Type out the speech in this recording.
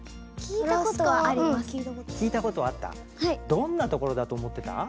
どんな所だと思ってた？